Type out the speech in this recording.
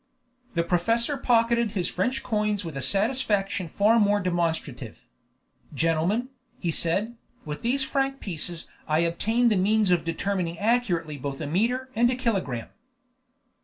The professor pocketed his French coins with a satisfaction far more demonstrative. "Gentlemen," he said, "with these franc pieces I obtain the means of determining accurately both a meter and a kilogramme."